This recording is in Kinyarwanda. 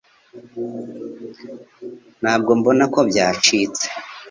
Ntabwo mbona ko byacitse